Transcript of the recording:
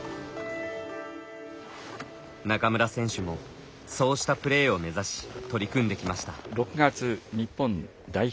中村選手もそうしたプレーを目指し取り組んできました。